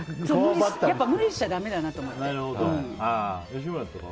やっぱり無理しちゃだめだなと思って。